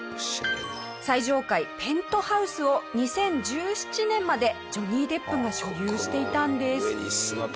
最上階ペントハウスを２０１７年までジョニー・デップが所有していたんです。